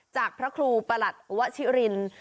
จากพระครูประหลัดวชิริน